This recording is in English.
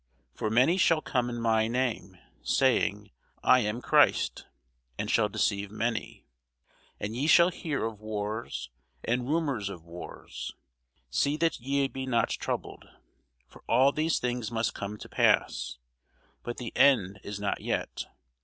For many shall come in my name, saying, I am Christ; and shall deceive many. And ye shall hear of wars and rumours of wars: see that ye be not troubled: for all these things must come to pass, but the end is not yet.